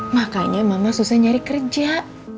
makanya mama susah nyari kerja